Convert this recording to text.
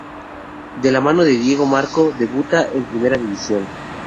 De la mano de Diego De Marco debuta en Primera División.